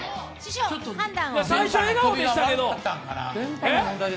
最初笑顔でしたけど。